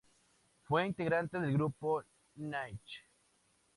Fue integrante del Grupo Niche.